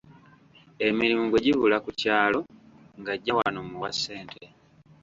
Emirimu bwe gibula ku kyalo ng'ajja wano muwa ssente.